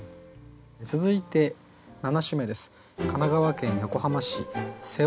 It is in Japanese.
続いて７首目です。